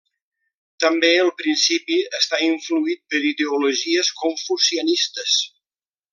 També el principi està influït per ideologies confucianistes.